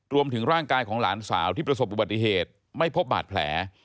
รวมถึงร่างกายของหลานสาวที่ประสบอุบัติเหตุไม่พบบาดแผล